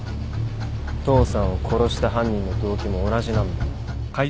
父さんを殺した犯人の動機も同じなんだよ。